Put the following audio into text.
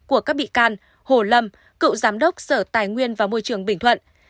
của các bị can hồ lâm cựu giám đốc sở tài nguyên và môi trường bình thuận